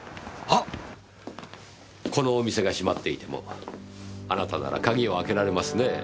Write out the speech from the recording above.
このお店が閉まっていてもあなたなら鍵を開けられますね？